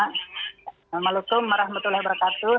assalamualaikum warahmatullahi wabarakatuh